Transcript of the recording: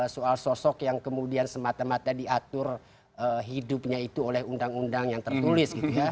saya kira bukan bicara soal sosok yang kemudian semata mata diatur hidupnya itu oleh undang undang yang tertulis